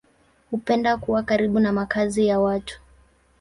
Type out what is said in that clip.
Hupenda kuwa karibu na makazi ya watu.